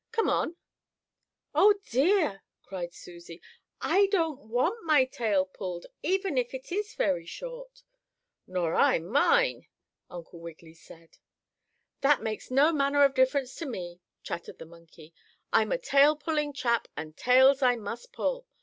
Come on!" "Oh, dear!" cried Susie. "I don't want my tail pulled, even if it is very short." "Nor I mine," Uncle Wiggily said. "That makes no manner of difference to me," chattered the monkey. "I'm a tail pulling chap, and tails I must pull.